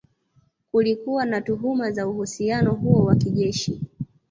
Kulikuwa na tuhuma za uhusiano huo wa kijeshi